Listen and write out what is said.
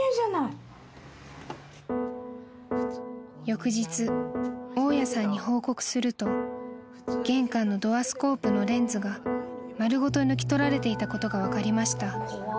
［翌日大家さんに報告すると玄関のドアスコープのレンズが丸ごと抜き取られていたことが分かりました］